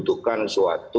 tidak ada yang berpikir itu